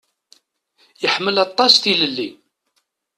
Yeḥmmel aṭas tilelli.